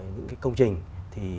những cái công trình thì